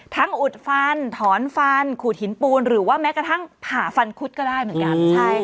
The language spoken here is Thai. อุดฟันถอนฟันขูดหินปูนหรือว่าแม้กระทั่งผ่าฟันคุดก็ได้เหมือนกัน